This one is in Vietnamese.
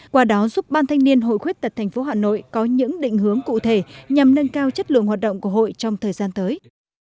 qua đó giúp ban thanh niên hội khuyết tật tp hà nội có những định hướng cụ thể nhằm nâng cao chất lượng hoạt động của hội trong thời gian tới